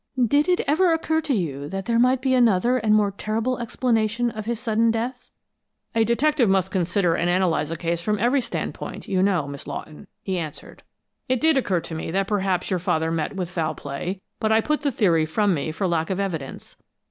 "Did it ever occur to you that there might be another and more terrible explanation of his sudden death?" "A detective must consider and analyze a case from every standpoint, you know, Miss Lawton," he answered. "It did occur to me that perhaps your father met with foul play, but I put the theory from me for lack of evidence."